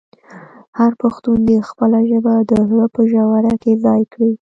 هر پښتون دې خپله ژبه د زړه په ژوره کې ځای کړي.